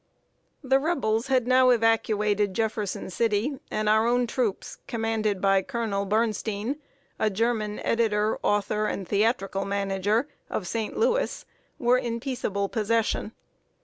The Rebels had now evacuated Jefferson City, and our own troops, commanded by Colonel B[oe]rnstein, a German editor, author, and theatrical manager, of St. Louis, were in peaceable possession.